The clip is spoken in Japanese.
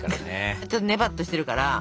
ちょっとねばっとしてるから。